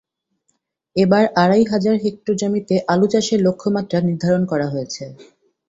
এবার আড়াই হাজার হেক্টর জমিতে আলু চাষের লক্ষ্যমাত্রা নির্ধারণ করা হয়েছে।